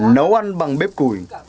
nấu ăn bằng bếp củi